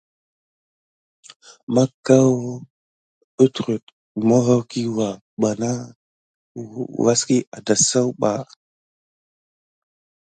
Naku nat trote mohhorkiwa ɓa kam vas kiyu a dasayu ɓa.